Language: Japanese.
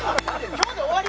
今日で終わり？